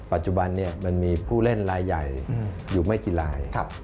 ปัจจุบันมันมีผู้เล่นลายใหญ่อยู่ไม่กี่ลาย